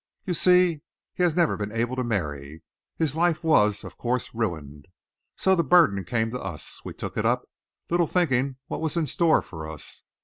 You see, he has never been able to marry. His life was, of course, ruined. So the burden came to us. We took it up, little thinking what was in store for us.